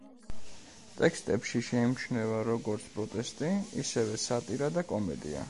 ტექსტებში შეიმჩნევა როგორც პროტესტი ისევე სატირა და კომედია.